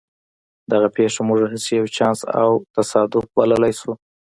دغه پېښه موږ هسې یو چانس او تصادف بللای شو